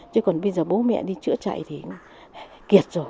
chứ còn bây giờ bố mẹ đi chữa chạy thì kiệt rồi